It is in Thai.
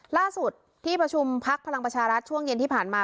ล่าสุดที่ประชุมพักพลังประชารัฐช่วงเย็นที่ผ่านมา